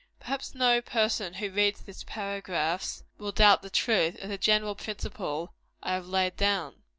Perhaps no person who reads these paragraphs, will doubt the truth of the general principle I have laid down.